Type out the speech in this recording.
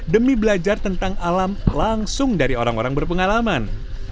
demi belajar tentang alam langsung dari orang orang berpengalaman